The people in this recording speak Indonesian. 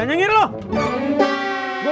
enggak pagi dan ngiru